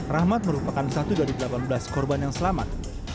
rahmat merupakan satu dari delapan belas korban yang selamat